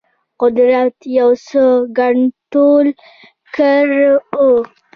قدرت یو څه کنټرول کړی وو.